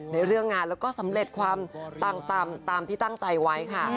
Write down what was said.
ในเรื่องงานแล้วก็สำเร็จความตามที่ตั้งใจไว้ค่ะ